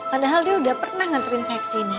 padahal dia udah pernah ngantriin saya ke sini